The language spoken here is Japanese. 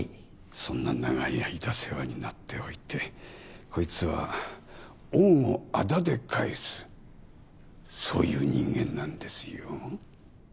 そんな長い間世話になっておいてこいつは恩をあだで返すそういう人間なんですよ。